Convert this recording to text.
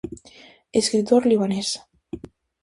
Escritor libanés.